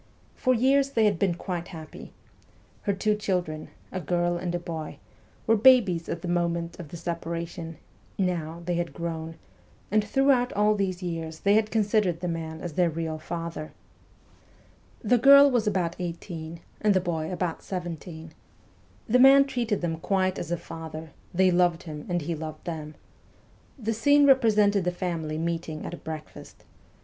For years they had been quite happy. Her two children a girl and a boy were babies at the moment of the separation ; now, they had grown, and throughout all these years they had considered the man as their real father. The girl 218 MEMOIRS OF A REVOLUTIONIST was about eighteen and the boy about seventeen. The man treated them quite as a father, they loved him, and he loved them. The scene represented the family meeting at breakfast.